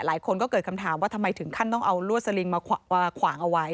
หลายคนก็เกิดคำถามว่าทำไมถึงขั้นต้องเอาลวดสลิงมาขวางเอาไว้